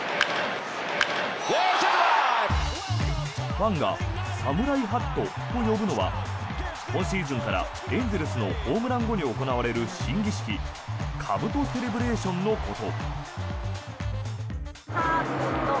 ファンがサムライハットと呼ぶのは今シーズンからエンゼルスのホームラン後に行われる新儀式かぶとセレブレーションのこと。